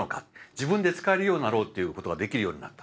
自分で使えるようになろうっていうことができるようになった。